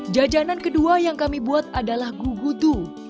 jajanan kedua yang kami buat adalah gugudu